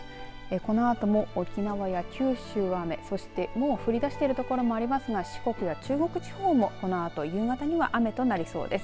このあとも沖縄や九州、雨そして、もう降り出している所もありますが、四国や中国地方もこのあと夕方には雨となりそうです。